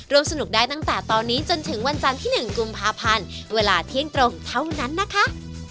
สนุกได้ตั้งแต่ตอนนี้จนถึงวันจันทร์ที่๑กุมภาพันธ์เวลาเที่ยงตรงเท่านั้นนะคะ